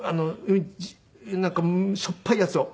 なんかしょっぱいやつを。